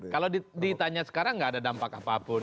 kalau ditanya sekarang nggak ada dampak apapun